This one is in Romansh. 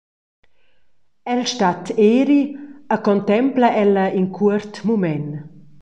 El stat eri e contempla ella in cuort mument.